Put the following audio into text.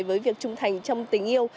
với việc trung thành trong tình yêu